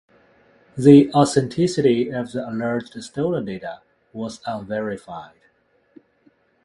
The authenticity of the allegedly stolen data was unverified.